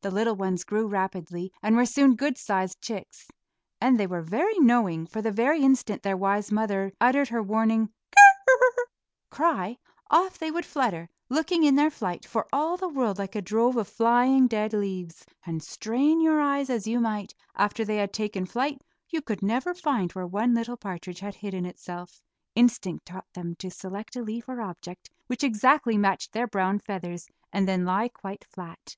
The little ones grew rapidly, and were soon good sized chicks; and they were very knowing, for the very instant their wise mother uttered her warning "cr rr r r" cry, off they would flutter, looking, in their flight, for all the world like a drove of flying dead leaves; and strain your eyes as you might, after they had taken flight, you could never find where one little partridge had hidden itself. Instinct taught them to select a leaf or object which exactly matched their brown feathers, and then lie quite flat.